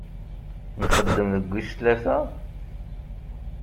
Nxeddem deg wis tlata?